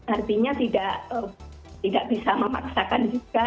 artinya tidak bisa memaksakan juga